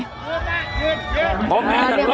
เย็น